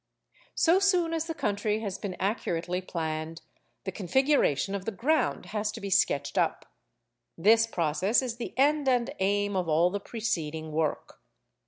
So soon as the country has been accurately planned, the configuration of the ground has to be sketched up. This process is the end and aim of all the preceding work.